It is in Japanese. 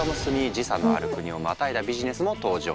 時差のある国をまたいだビジネスも登場。